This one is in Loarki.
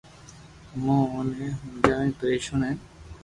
امو اوني ھمجاوين پريݾون ھين